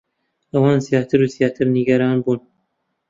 ئەوان زیاتر و زیاتر نیگەران بوون.